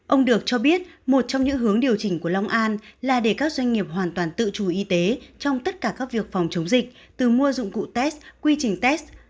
ông được cho biết một trong những hướng điều chỉnh của long an là để các doanh nghiệp hoàn toàn tự chủ y tế trong tất cả các việc phòng chống dịch từ mua dụng cụ test quy trình test